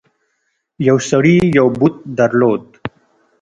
یو سړي یو بت درلود.